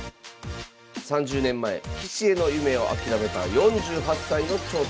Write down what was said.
３０年前棋士への夢を諦めた４８歳の挑戦。